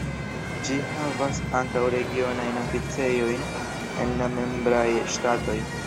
Ĝi havas ankaŭ regionajn oficejojn en la membraj ŝtatoj.